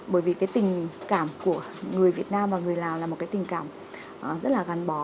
bởi vì cái tình cảm của người việt nam và người lào là một cái tình cảm rất là gắn bó